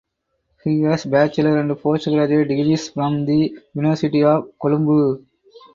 He has bachelor and postgraduate degrees from the University of Colombo.